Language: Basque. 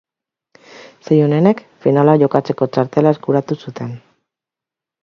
Sei onenek finala jokatzeko txartela eskuratu zuten.